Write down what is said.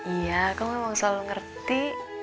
iya kamu memang selalu ngerti